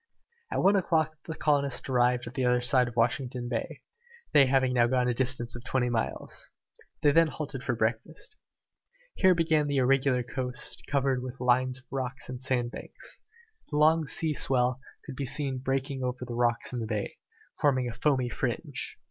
At one o'clock the colonists arrived at the other side of Washington Bay, they having now gone a distance of twenty miles. They then halted for breakfast. Here began the irregular coast, covered with lines of rocks and sandbanks. The long sea swell could be seen breaking over the rocks in the bay, forming a foamy fringe.